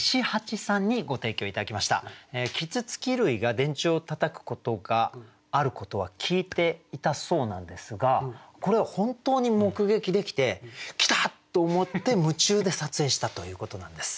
啄木鳥類が電柱をたたくことがあることは聞いていたそうなんですがこれは本当に目撃できて「来た！」と思って夢中で撮影したということなんです。